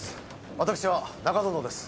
私は中園です。